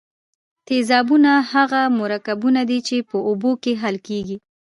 تیزابونه هغه مرکبونه دي چې په اوبو کې حل کیږي.